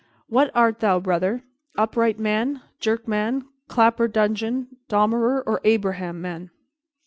What art thou, brother? Upright man, Jurkman, Clapper dudgeon, Dommerer, or Abraham man?"